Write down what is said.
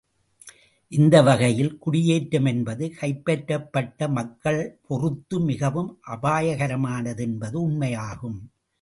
இந்த வகையில் குடியேற்றமென்பது கைப்பற்றப்பட்ட மக்கள் பொறுத்து மிகவும் அபாயகரமானதென்பது உண்மையாகும்.